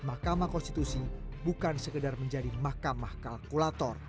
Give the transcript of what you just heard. mahkamah konstitusi bukan sekedar menjadi mahkamah kalkulator